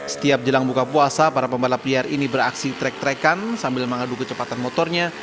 setiap jelang buka puasa para pembalap liar ini beraksi trek trekan sambil mengadu kecepatan motornya